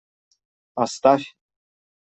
Оставь!